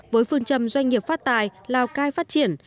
với phương trầm doanh nghiệp phát tài lào cai phát triển